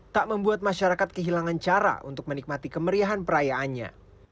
tak membuat masyarakat kehilangan cara untuk menikmati kemeriahan perayaannya